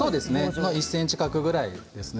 １ｃｍ角ぐらいですね。